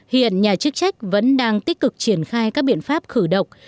hiện nhà chức trách vẫn đang tích cực triển khai các biện pháp khử độc